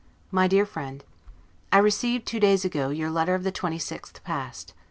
MY DEAR FRIEND: I received, two days ago, your letter of the 26th past.